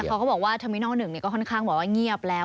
แต่เขาก็บอกว่าเทมินัล๑เนี่ยก็ค่อนข้างบอกว่าเงียบแล้ว